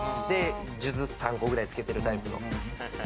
数珠３個くらいつけてるタイプの。